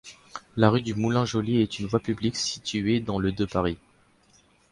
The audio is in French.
La rue du Moulin-Joly est une voie publique située dans le de Paris.